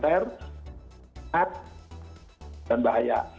ter at dan bahaya